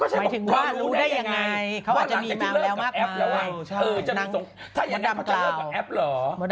หมายถึงว่ารู้ได้ยังไงว่าหลังจากที่เลิกกับแอปแล้วถ้าอย่างนั้นเขาจะเลิกกับแอปเหรอ